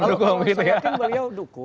mungkin beliau dukung